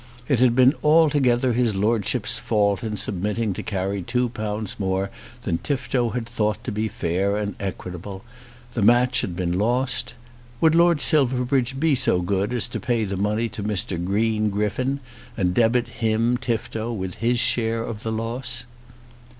It had been altogether his Lordship's fault in submitting to carry two pounds more than Tifto had thought to be fair and equitable. The match had been lost. Would Lord Silverbridge be so good as to pay the money to Mr. Green Griffin and debit him, Tifto, with the share of his loss?